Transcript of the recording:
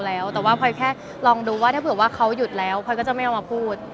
แล้วแต่ว่าพลอยแค่ลองดูว่าถ้าเผื่อว่าเขาหยุดแล้วพลอยก็จะไม่เอามาพูด